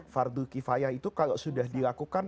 fardu kifaya itu kalau sudah dilakukan